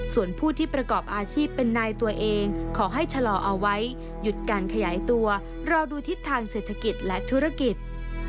ส่วนผู้ที่ประกอบอาชีพเป็นนายตัวเองขอให้ชะลอเอาไว้หยุดการขยายตัวรอดูทิศทางเศรษฐกิจและธุรกิจ